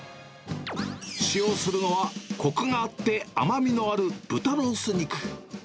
使用するのは、こくがあって甘みのある豚ロース肉。